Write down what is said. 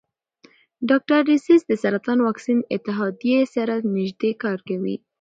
ډاکټر ډسیس د سرطان واکسین اتحادیې سره نژدې کار کوي.